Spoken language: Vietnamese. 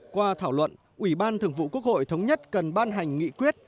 qua thảo luận ủy ban thường vụ quốc hội thống nhất cần ban hành nghị quyết